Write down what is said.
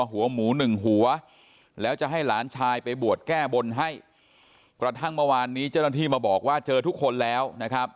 หัวหมูหนึ่งหัวแล้วจะให้หลานชายไปบวชแก้บนให้กระทั่งเมื่อวานนี้เจ้าหน้าที่มาบอกว่าเจอทุกคนแล้วนะครับ